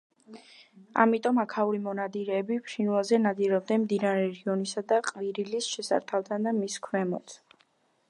ამიტომ აქაური მონადირეები ფრინველზე ნადირობდნენ მდინარე რიონისა და ყვირილის შესართავთან და მის ქვემოთ.